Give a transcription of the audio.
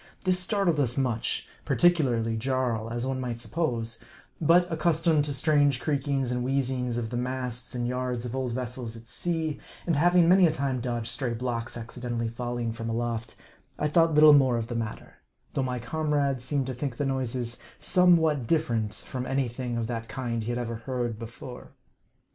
This startled us much ; particularly Jarl, as one might suppose ; but accustomed to the strange creakings and wheezings of the masts and yards of old vessels at sea, and having many a time dodged stray blocks accidentally falling from aloft, I thought little more of the matter ; though my comrade seemed to think the noises somewhat different from any thing of that kind he had ever heard before.